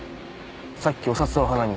さっきお札を鼻に。